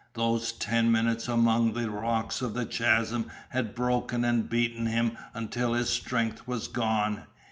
Those ten minutes among the rocks of the chasm had broken and beaten him until his strength was gone.